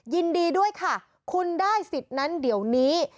ยินดีด้วยค่ะคุณได้สิทธิ์นั้นเดี๋ยวนี้